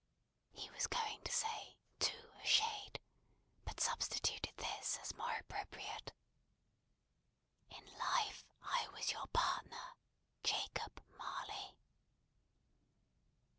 He was going to say "to a shade," but substituted this, as more appropriate. "In life I was your partner, Jacob Marley."